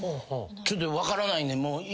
ちょっと分からないんでもう。